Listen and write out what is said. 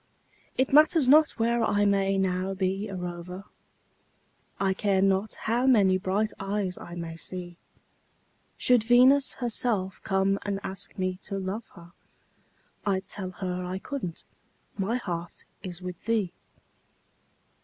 It matters not where I may now be a rover, I care not how many bright eyes I may see; Should Venus herself come and ask me to love her, I'd tell her I couldn't my heart is with thee.